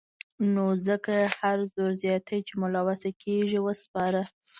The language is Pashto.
نو ځکه هر زور زياتی چې مو له وسې کېږي وسپاره.